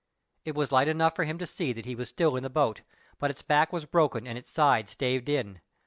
It was light enough for him to see that he was still in the boat, but its back was broken and its sides staved in.